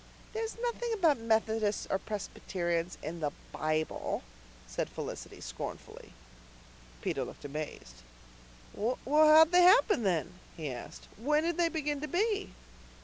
"There's nothing about Methodists or Presbyterians in the Bible," said Felicity scornfully. Peter looked amazed. "Well, how did they happen then?" he asked. "When did they begin to be?"